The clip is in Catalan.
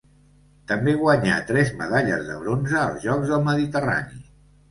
També guanyà tres medalles de bronze als Jocs del Mediterrani.